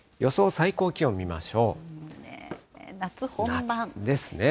最高気温見ましょう。ですね。